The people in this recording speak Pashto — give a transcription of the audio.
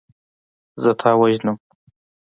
زه تا وژنم.